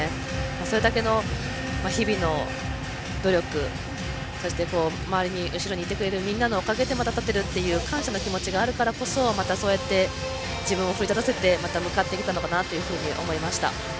それだけの日々の努力そして、周りに後ろにいてくれるみんなのおかげで立てるという感謝の気持ちがあるからこそまたそうやって自分を奮い立たせて向かっていけたのかなと思いました。